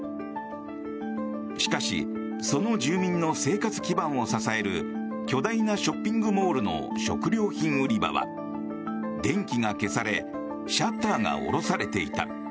しかしその住民の生活基盤を支える巨大なショッピングモールの食料品売り場は電気が消されシャッターが下ろされていた。